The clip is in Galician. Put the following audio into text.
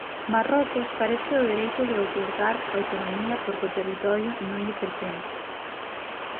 Marrocos carece do dereito de outorgar autonomía porque o territorio non lle pertence.